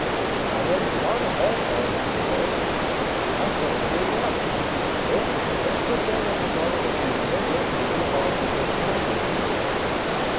"I hadn't thought of that," Allan confessed. "I think you're right. Well, let's put that at the bottom of the agenda and get on with this time business.